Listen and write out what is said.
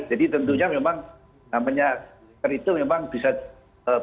jadi tentunya memang namanya itu memang bisa mengalami penyakit